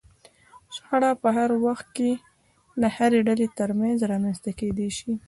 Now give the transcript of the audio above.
شخړه په هر وخت کې د هرې ډلې ترمنځ رامنځته کېدای شي.